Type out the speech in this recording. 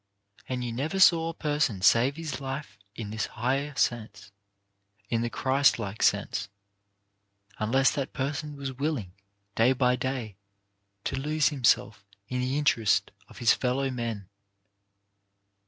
" And you never saw a person save his life in this higher sense, in the Christ like sense, unless that person was willing, day by day, to lose him self in the interest of his fellow men.